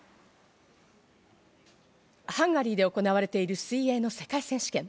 ハンガリーで行われている水泳の世界選手権。